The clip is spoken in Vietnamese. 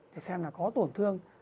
để xem là có tổn thương